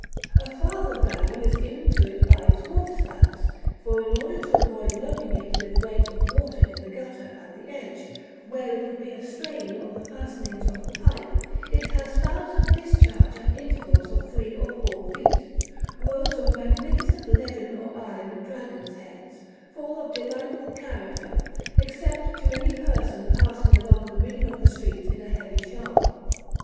A farther value is given to it by its waterspouts, for in order to avoid loading it with weight of water in the gutter at the edge, where it would be a strain on the fastenings of the pipe, it has spouts of discharge at intervals of three or four feet, rows of magnificent leaden or iron dragons' heads, full of delightful character, except to any person passing along the middle of the street in a heavy shower.